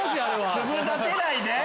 粒立てないで！